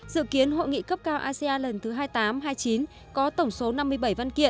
dự kiến hội nghị cấp cao asean lần thứ hai mươi tám hai mươi chín có tổng số năm mươi bảy văn kiện